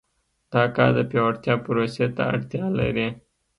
دا کار د پیاوړتیا پروسې ته اړتیا لري.